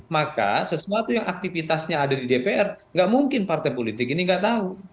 maka sesuatu yang aktivitasnya ada di dpr nggak mungkin partai politik ini nggak tahu